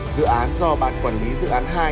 dự án do bản quản lý dự án hai